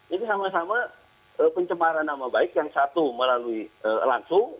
jadi sama sama pencemaran nama baik yang satu melalui langsung